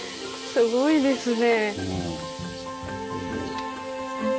すごいですね。